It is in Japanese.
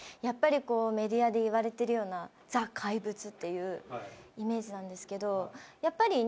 やっぱりこうメディアで言われてるような。っていうイメージなんですけど。